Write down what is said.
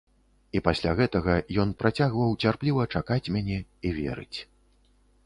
І пасля гэтага ён працягваў цярпліва чакаць мяне і верыць.